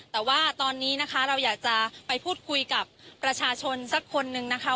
แต่ว่าตอนนี้นะคะเราอยากจะไปพูดคุยกับประชาชนสักคนนึงนะคะ